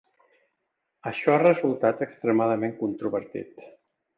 Això ha resultat extremadament controvertit.